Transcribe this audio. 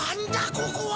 ここは。